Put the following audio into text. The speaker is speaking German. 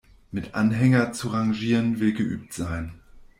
Mit Anhänger zu rangieren, will geübt sein.